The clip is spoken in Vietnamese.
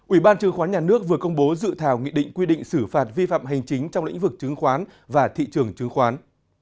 ủy ban chứng khoán nhà nước vừa công bố dự thảo nghị định quy định xử phạt vi phạm hành chính trong lĩnh vực chứng khoán và thị trường chứng khoán